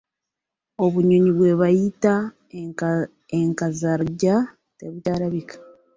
Obunyonyi bwe bayita enkazalujja tebukyalabika.